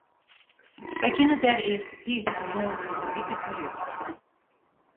Wy kinne dêr earst tiisdeitemoarn oer in wike terjochte.